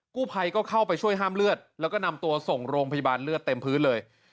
กู้ภัยก็เข้าไปช่วยห้ามเลือดแล้วก็นำตัวส่งโรงพยาบาลเลือดเต็มพื้นเลย